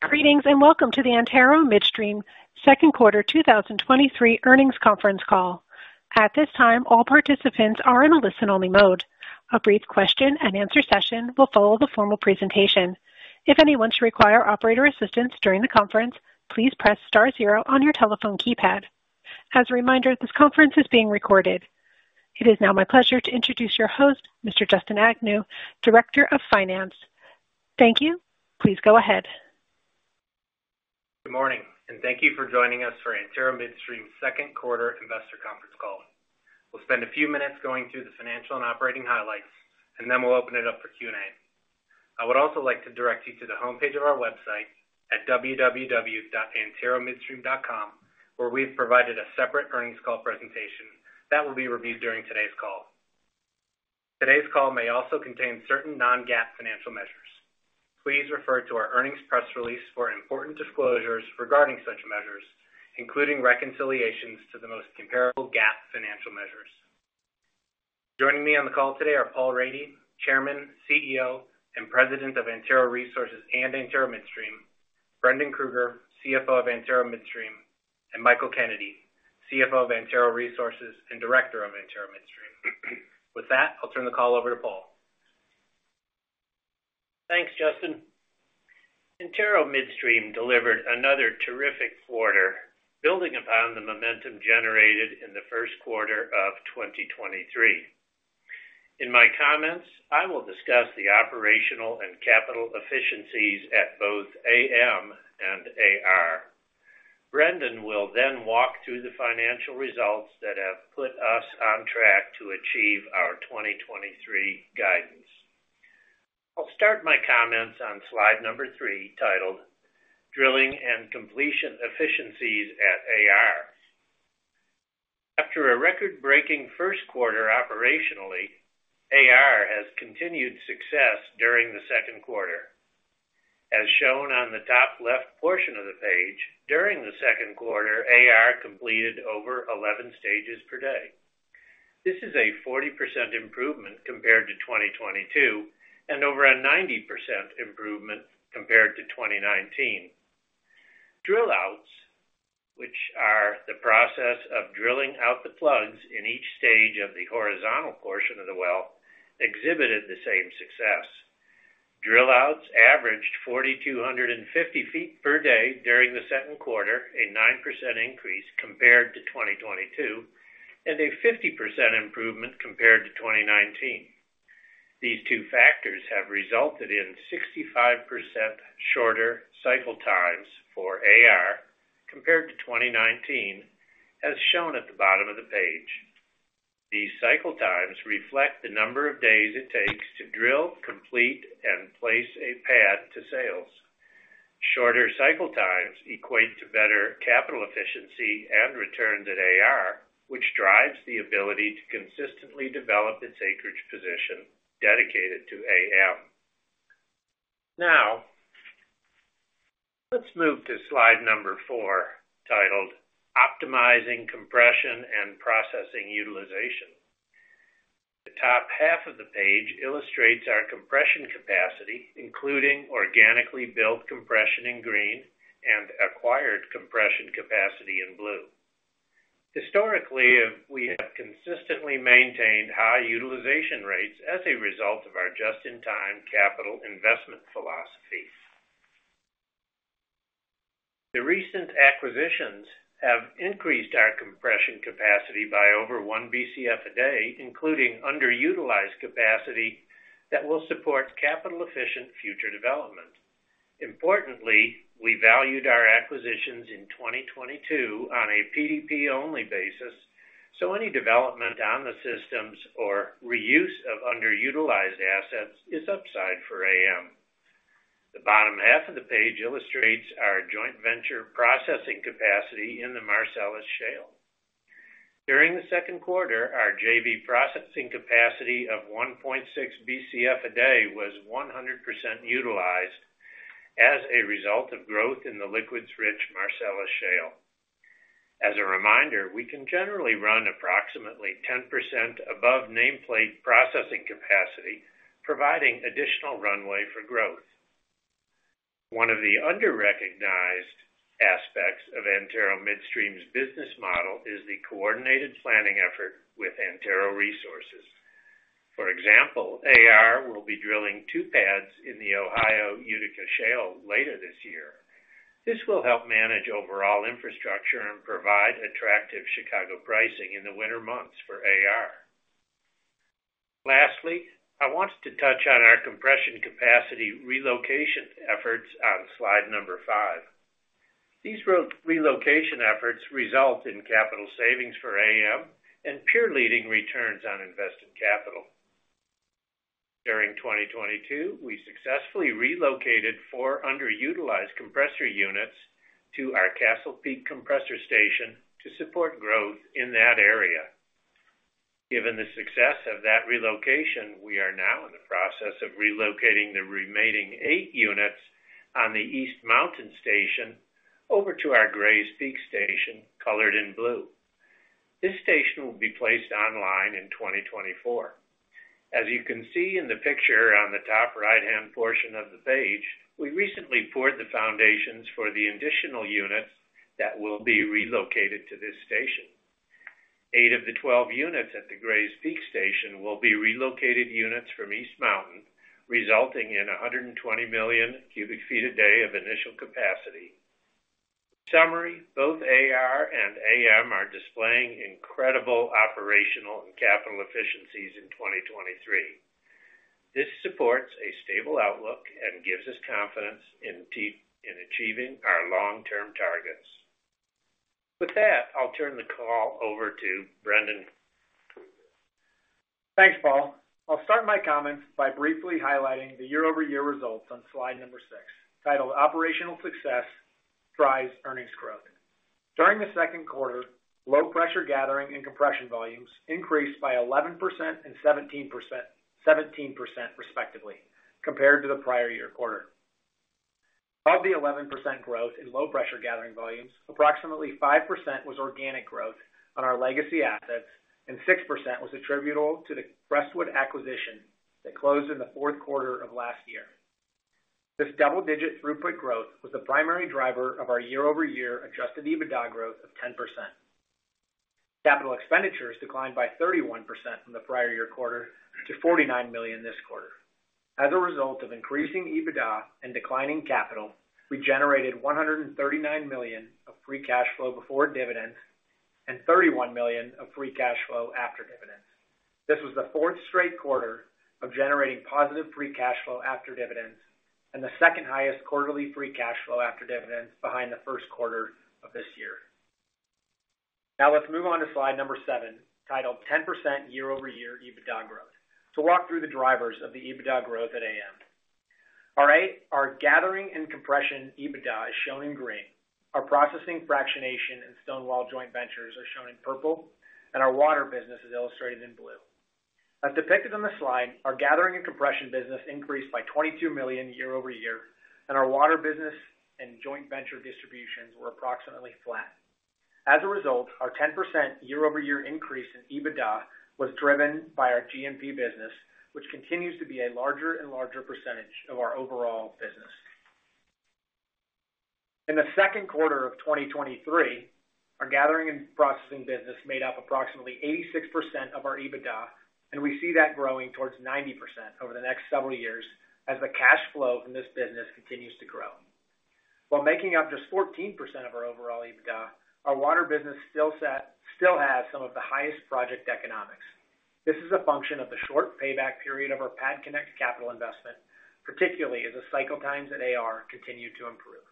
Greetings, welcome to the Antero Midstream second quarter 2023 earnings conference call. At this time, all participants are in a listen-only mode. A brief question-and-answer session will follow the formal presentation. If anyone should require operator assistance during the conference, please press star 0 on your telephone keypad. As a reminder, this conference is being recorded. It is now my pleasure to introduce your host, Mr. Justin Agnew, Director of Finance. Thank you. Please go ahead. Good morning, thank you for joining us for Antero Midstream second quarter investor conference call. We'll spend a few minutes going through the financial and operating highlights, and then we'll open it up for Q&A. I would also like to direct you to the homepage of our website at www.anteromidstream.com, where we've provided a separate earnings call presentation that will be reviewed during today's call. Today's call may also contain certain non-GAAP financial measures. Please refer to our earnings press release for important disclosures regarding such measures, including reconciliations to the most comparable GAAP financial measures. Joining me on the call today are Paul Rady, Chairman, CEO, and President of Antero Resources and Antero Midstream, Brendan Krueger, CFO of Antero Midstream, and Michael Kennedy, CFO of Antero Resources and Director of Antero Midstream. With that, I'll turn the call over to Paul. Thanks, Justin. Antero Midstream delivered another terrific quarter, building upon the momentum generated in the first quarter of 2023. In my comments, I will discuss the operational and capital efficiencies at both AM and AR. Brendan will walk through the financial results that have put us on track to achieve our 2023 guidance. I'll start my comments on slide number three, titled Drilling and Completion Efficiencies at AR. After a record-breaking first quarter operationally, AR has continued success during the second quarter. As shown on the top left portion of the page, during the second quarter, AR completed over 11 stages per day. This is a 40% improvement compared to 2022 and over a 90% improvement compared to 2019. Drill outs, which are the process of drilling out the plugs in each stage of the horizontal portion of the well, exhibited the same success. Drill outs averaged 4,250 ft per day during the second quarter, a 9% increase compared to 2022, and a 50% improvement compared to 2019. These two factors have resulted in 65% shorter cycle times for AR compared to 2019, as shown at the bottom of the page. These cycle times reflect the number of days it takes to drill, complete, and place a pad to sales. Shorter cycle times equate to better capital efficiency and return at AR, which drives the ability to consistently develop its acreage position dedicated to AM. Now, let's move to slide number four, titled Optimizing Compression and Processing Utilization. The top half of the page illustrates our compression capacity, including organically built compression in green and acquired compression capacity in blue. Historically, we have consistently maintained high utilization rates as a result of our just-in-time capital investment philosophy. The recent acquisitions have increased our compression capacity by over 1 BCF a day, including underutilized capacity that will support capital-efficient future development. Importantly, we valued our acquisitions in 2022 on a PDP-only basis. Any development on the systems or reuse of underutilized assets is upside for AM. The bottom half of the page illustrates our joint venture processing capacity in the Marcellus Shale. During the second quarter, our JV processing capacity of 1.6 BCF a day was 100% utilized as a result of growth in the liquids-rich Marcellus Shale. As a reminder, we can generally run approximately 10% above nameplate processing capacity, providing additional runway for growth. One of the underrecognized aspects of Antero Midstream's business model is the coordinated planning effort with Antero Resources. For example, AR will be drilling two pads in the Ohio Utica Shale later this year. This will help manage overall infrastructure and provide attractive Chicago pricing in the winter months for AR. Lastly, I wanted to touch on our compression capacity relocation efforts on slide number five. These relocation efforts result in capital savings for AM and peer-leading returns on invested capital. During 2022, we successfully relocated four underutilized compressor units to our Castle Peak Compressor Station to support growth in that area. Given the success of that relocation, we are now in the process of relocating the remaining eight units on the East Mountain Station over to our Grays Peak station, colored in blue. This station will be placed online in 2024. As you can see in the picture on the top right-hand portion of the page, we recently poured the foundations for the additional units that will be relocated to this station. Eight of the 12 units at the Grays Peak station will be relocated units from East Mountain, resulting in 120 million cubic feet a day of initial capacity. Summary, both AR and AM are displaying incredible operational and capital efficiencies in 2023. This supports a stable outlook and gives us confidence in achieving our long-term targets. With that, I'll turn the call over to Brendan. Thanks, Paul. I'll start my comments by briefly highlighting the year-over-year results on slide number six, titled Operational Success Drives Earnings Growth. During the second quarter, low pressure gathering and compression volumes increased by 11% and 17% respectively, compared to the prior year quarter. Of the 11% growth in low pressure gathering volumes, approximately 5% was organic growth on our legacy assets, and 6% was attributable to the Crestwood acquisition that closed in the fourth quarter of last year. This double-digit throughput growth was the primary driver of our year-over-year Adjusted EBITDA growth of 10%. Capital expenditures declined by 31% from the prior year quarter to $49 million this quarter. As a result of increasing EBITDA and declining capital, we generated $139 million of Free Cash Flow before dividends and $31 million of Free Cash Flow after dividends. This was the fourth straight quarter of generating positive Free Cash Flow after dividends and the second highest quarterly Free Cash Flow after dividends behind the first quarter of this year. Let's move on to slide number seven, titled 10% year-over-year EBITDA Growth, to walk through the drivers of the EBITDA growth at AM. All right, our gathering and compression EBITDA is shown in green, our processing fractionation and Stonewall joint ventures are shown in purple, and our water business is illustrated in blue. As depicted on the slide, our gathering and compression business increased by $22 million year-over-year, and our water business and joint venture distributions were approximately flat. As a result, our 10% year-over-year increase in EBITDA was driven by our G&P business, which continues to be a larger and larger percentage of our overall business. In the second quarter of 2023, our Gathering and Processing business made up approximately 86% of our EBITDA. We see that growing towards 90% over the next several years as the cash flow from this business continues to grow. While making up just 14% of our overall EBITDA, our water business still has some of the highest project economics. This is a function of the short payback period of our Pad Connect capital investment, particularly as the cycle times at AR continue to improve.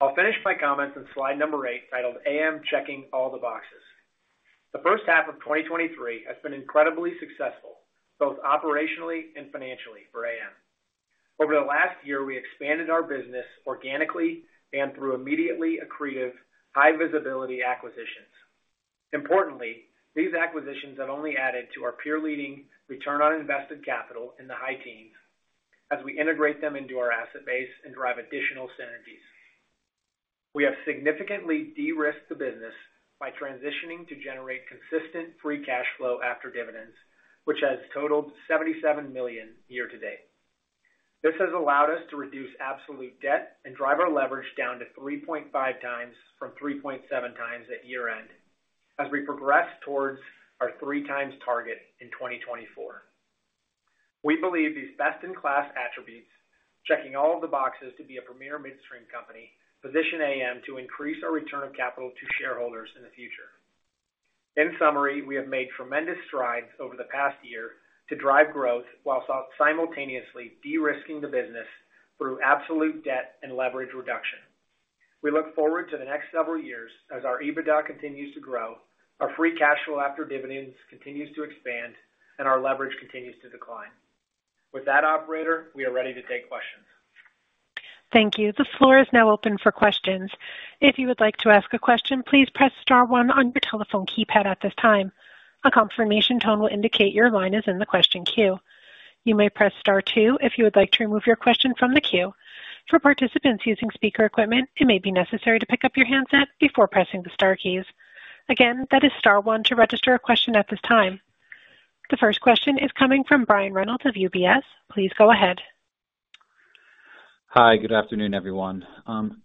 I'll finish my comments on slide number eight, titled AM Checking All the Boxes. The first half of 2023 has been incredibly successful, both operationally and financially for AM. Over the last year, we expanded our business organically and through immediately accretive high visibility acquisitions. Importantly, these acquisitions have only added to our peer-leading return on invested capital in the high teens as we integrate them into our asset base and drive additional synergies. We have significantly de-risked the business by transitioning to generate consistent Free Cash Flow after dividends, which has totaled $77 million year-to-date. This has allowed us to reduce absolute debt and drive our leverage down to 3.5x from 3.7x at year-end, as we progress towards our 3x target in 2024. We believe these best-in-class attributes, checking all of the boxes to be a premier midstream company, position AM to increase our return of capital to shareholders in the future. In summary, we have made tremendous strides over the past year to drive growth while simultaneously de-risking the business through absolute debt and leverage reduction. We look forward to the next several years as our EBITDA continues to grow, our Free Cash Flow after dividends continues to expand, and our leverage continues to decline. With that, operator, we are ready to take questions. Thank you. The floor is now open for questions. If you would like to ask a question, please press star one on your telephone keypad at this time. A confirmation tone will indicate your line is in the question queue. You may press star two if you would like to remove your question from the queue. For participants using speaker equipment, it may be necessary to pick up your handset before pressing the star keys. Again, that is star one to register a question at this time. The first question is coming from Brian Reynolds of UBS. Please go ahead. Hi, good afternoon, everyone.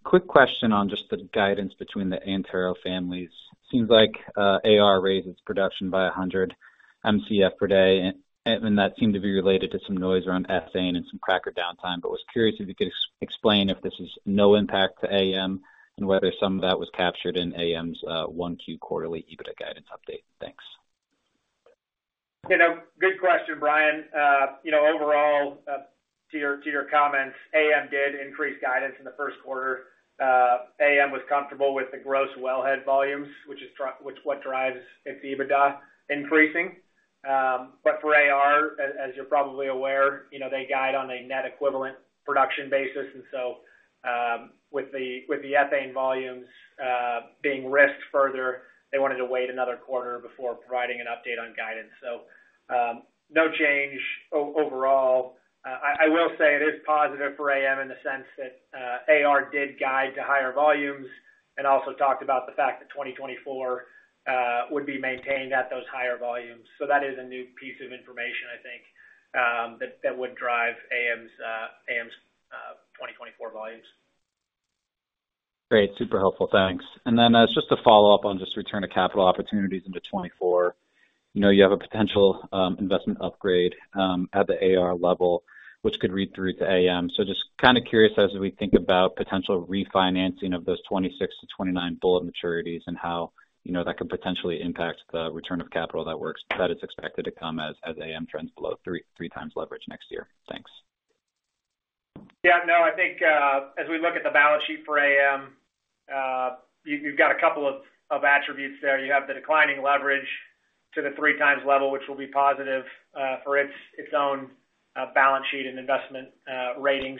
quick question on just the guidance between the Antero families. Seems like, AR raised its production by 100 MMcF per day, and that seemed to be related to some noise around ethane and some cracker downtime. I was curious if you could explain if this is no impact to AM, and whether some of that was captured in AM's 1Q quarterly EBITDA guidance update. Thanks. You know, good question, Brian. You know, overall, to your comments, AM did increase guidance in the first quarter. AM was comfortable with the gross wellhead volumes, which what drives its EBITDA increasing. For AR, as you're probably aware, you know, they guide on a net equivalent production basis, and so, with the ethane volumes, being risked further, they wanted to wait another quarter before providing an update on guidance. No change overall. I will say it is positive for AM in the sense that AR did guide to higher volumes and also talked about the fact that 2024 would be maintained at those higher volumes. That is a new piece of information, I think, that would drive AM's, AM's 2024 volumes. Great. Super helpful. Thanks. Just to follow up on just return to capital opportunities into 2024. You know, you have a potential investment upgrade at the AR level, which could read through to AM. Just kind of curious, as we think about potential refinancing of those 2026 to 2029 bullet maturities and how, you know, that could potentially impact the return of capital that works, that it's expected to come as AM trends below 3x leverage next year. Thanks. No, I think, as we look at the balance sheet for AM, you've got a couple of attributes there. You have the declining leverage to the 3x level, which will be positive for its own balance sheet and investment ratings.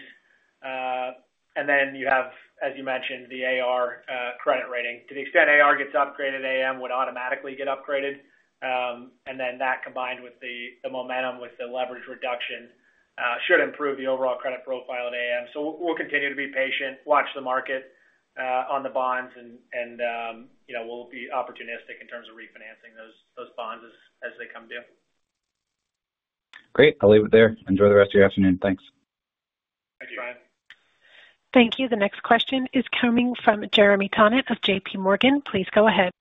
And then you have, as you mentioned, the AR credit rating. To the extent AR gets upgraded, AM would automatically get upgraded. And then that, combined with the momentum with the leverage reduction, should improve the overall credit profile at AM. We'll continue to be patient, watch the market on the bonds and, you know, we'll be opportunistic in terms of refinancing those bonds as they come due. Great. I'll leave it there. Enjoy the rest of your afternoon. Thanks. Thank you. Thank you. The next question is coming from Jeremy Tonet of JPMorgan. Please go ahead.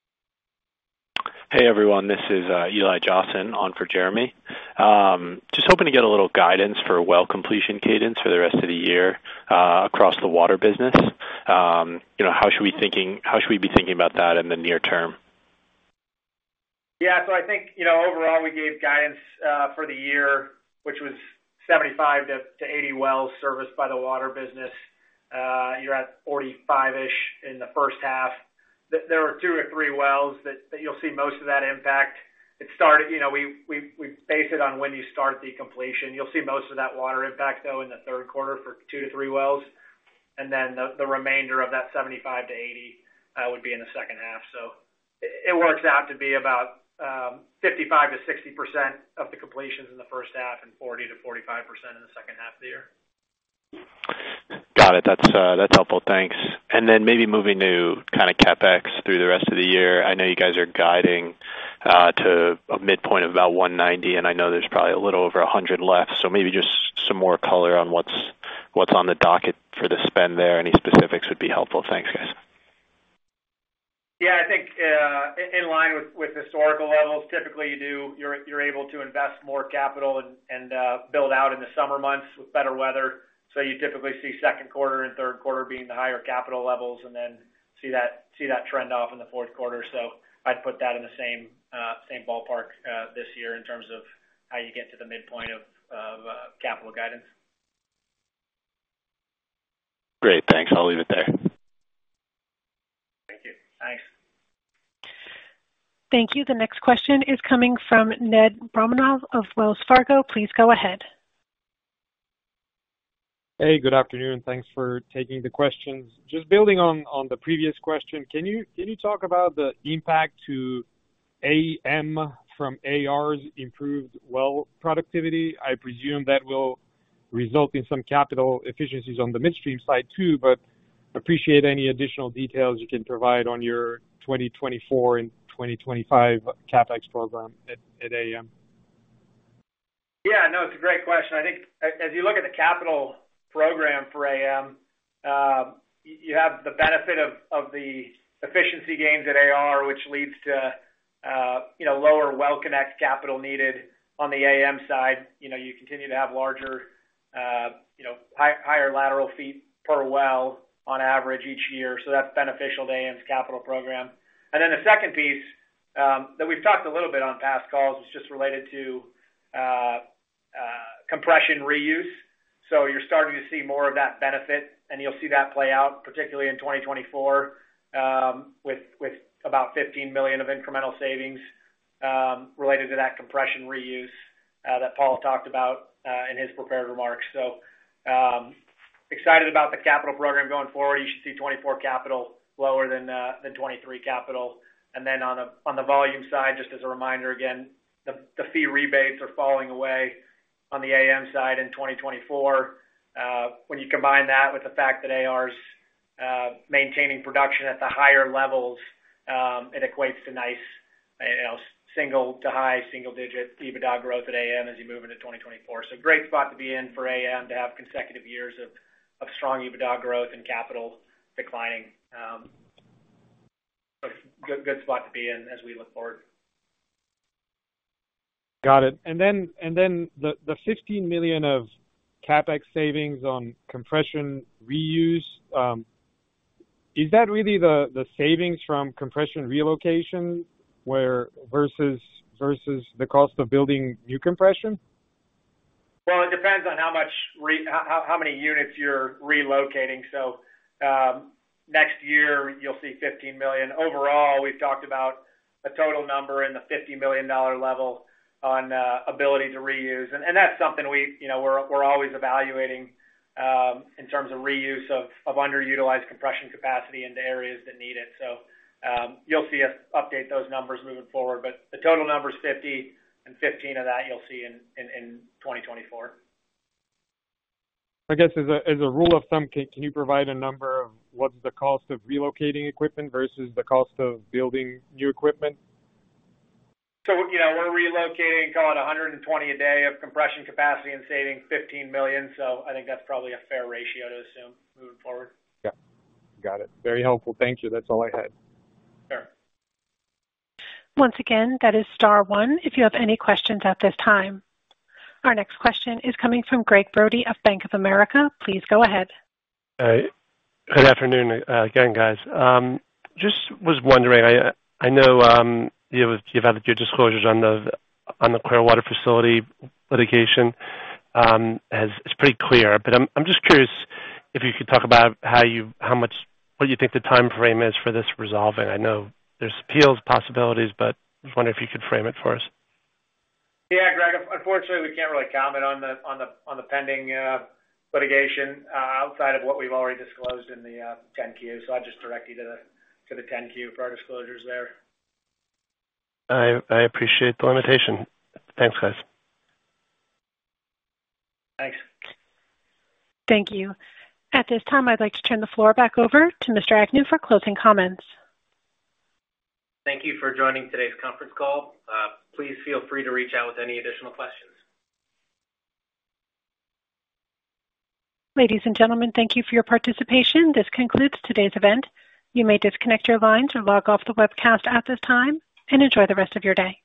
Hey, everyone, this is Eli Jossen on for Jeremy. Just hoping to get a little guidance for well completion cadence for the rest of the year, across the water business. You know, how should we be thinking about that in the near term? I think, you know, overall, we gave guidance for the year, which was 75% to 80% wells serviced by the water business. You're at 45%-ish in the first half. There are two or three wells that you'll see most of that impact. You know, we base it on when you start the completion. You'll see most of that water impact, though, in the third quarter for two to three wells, and then the remainder of that 75% to 80% would be in the second half. It works out to be about 55% to 60% of the completions in the first half and 40% to 45% in the second half of the year. Got it. That's, that's helpful. Thanks. Maybe moving to kind of CapEx through the rest of the year. I know you guys are guiding to a midpoint of about $190, and I know there's probably a little over $100 left. Maybe just some more color on what's, what's on the docket for the spend there. Any specifics would be helpful. Thanks, guys. Yeah, I think, in line with, with historical levels, typically, you're able to invest more capital and, and, build out in the summer months with better weather. You typically see second quarter and third quarter being the higher capital levels, and then see that trend off in the fourth quarter. I'd put that in the same ballpark this year in terms of how you get to the midpoint of capital guidance. Great, thanks. I'll leave it there. Thank you. Thanks. Thank you. The next question is coming from Ned Baramov of Wells Fargo. Please go ahead. Hey, good afternoon. Thanks for taking the questions. Just building on the previous question, can you talk about the impact to AM from AR's improved well productivity? I presume that will result in some capital efficiencies on the midstream side, too, but appreciate any additional details you can provide on your 2024 and 2025 CapEx program at AM. No, it's a great question. I think as you look at the capital program for AM, you have the benefit of the efficiency gains at AR, which leads to, you know, lower well connect capital needed on the AM side. You know, you continue to have larger, you know, higher lateral feet per well on average each year, so that's beneficial to AM's capital program. The second piece that we've talked a little bit on past calls, is just related to compression reuse. You're starting to see more of that benefit, and you'll see that play out, particularly in 2024, with about $15 million of incremental savings related to that compression reuse that Paul talked about in his prepared remarks. Excited about the capital program going forward. You should see 2024 capital lower than 2023 capital. On the volume side, just as a reminder, again, the fee rebates are falling away on the AM side in 2024. When you combine that with the fact that AR's maintaining production at the higher levels, it equates to nice, you know, single to high single digit EBITDA growth at AM as you move into 2024. Great spot to be in for AM to have consecutive years of strong EBITDA growth and capital declining. A good spot to be in as we look forward. Got it. Then the $15 million of CapEx savings on compression reuse, is that really the savings from compression relocation where versus the cost of building new compression? It depends on how many units you're relocating. Next year, you'll see $15 million. Overall, we've talked about a total number in the $50 million level on ability to reuse, and that's something we, you know, we're always evaluating in terms of reuse of underutilized compression capacity into areas that need it. You'll see us update those numbers moving forward, but the total number is $50 million, and $15 million of that you'll see in 2024. I guess, as a rule of thumb, can you provide a number of what's the cost of relocating equipment versus the cost of building new equipment? You know, we're relocating, call it, 120 a day of compression capacity and saving $15 million. I think that's probably a fair ratio to assume moving forward. Yeah. Got it. Very helpful. Thank you. That's all I had. Sure. Once again, that is star one, if you have any questions at this time. Our next question is coming from Gregg Brody of Bank of America. Please go ahead. Good afternoon, again, guys. Just was wondering, I know, you know, you've had your disclosures on the Clearwater Facility litigation, as it's pretty clear. I'm just curious if you could talk about what do you think the timeframe is for this resolving? I know there's appeals possibilities, but I was wondering if you could frame it for us. Yeah, Gregg, unfortunately, we can't really comment on the pending litigation outside of what we've already disclosed in the 10-Q. I'll just direct you to the 10-Q for our disclosures there. I appreciate the limitation. Thanks, guys. Thanks. Thank you. At this time, I'd like to turn the floor back over to Mr. Agnew for closing comments. Thank you for joining today's conference call. Please feel free to reach out with any additional questions. Ladies and gentlemen, thank you for your participation. This concludes today's event. You may disconnect your lines or log off the webcast at this time, and enjoy the rest of your day.